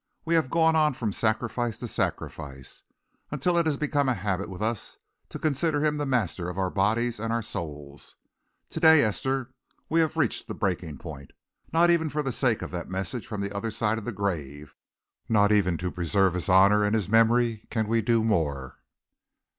"We have gone on from sacrifice to sacrifice, until it has become a habit with us to consider him the master of our bodies and our souls. To day, Esther, we have reached the breaking point. Not even for the sake of that message from the other side of the grave, not even to preserve his honour and his memory, can we do more."